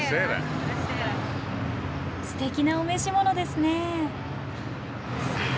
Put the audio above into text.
すてきなお召し物ですね。